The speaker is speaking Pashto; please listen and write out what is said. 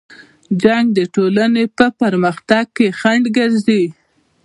جنګ د ټولنې په پرمختګ کې خنډ ګرځي.